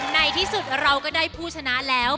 ในที่สุดเราก็ได้ผู้ชนะแล้ว